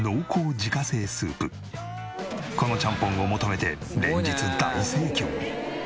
このちゃんぽんを求めて連日大盛況。